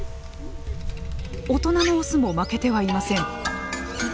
大人のオスも負けてはいません。